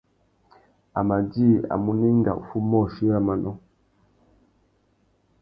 A mà djï a munú enga uffê umôchï râ manô.